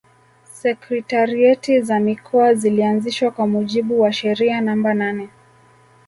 Sekretarieti za Mikoa zilianzishwa kwa mujibu wa sheria namba nane